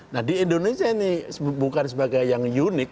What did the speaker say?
nah di indonesia ini bukan sebagai yang unik